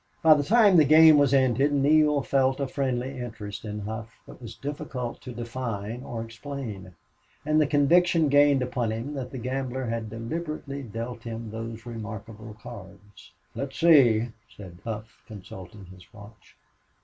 By the time the game was ended Neale felt a friendly interest in Hough that was difficult to define or explain; and the conviction gained upon him that the gambler had deliberately dealt him those remarkable cards. "Let's see," said Hough, consulting his watch.